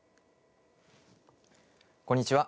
こんにちは。